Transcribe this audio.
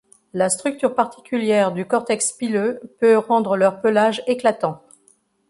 La structure particulière du cortex pileux peut rendre leur pelage éclatant.